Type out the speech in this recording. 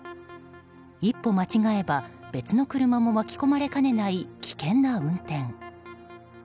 一歩間違えば、別の車も巻き込まれかねない危険な運転。